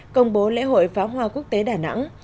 công bố lễ hội pháo hoa quốc tế đà nẵng